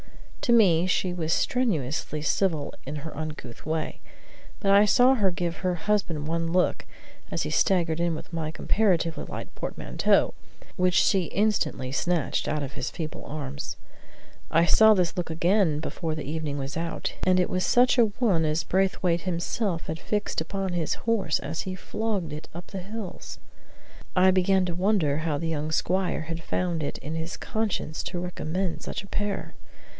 To me she was strenuously civil in her uncouth way. But I saw her give her husband one look, as he staggered in with my comparatively light portmanteau, which she instantly snatched out of his feeble arms. I saw this look again before the evening was out, and it was such a one as Braithwaite himself had fixed upon his horse as he flogged it up the hills. I began to wonder how the young squire had found it in his conscience to recommend such a pair.